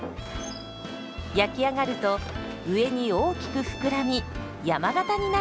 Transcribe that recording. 焼き上がると上に大きく膨らみ山型になるんです。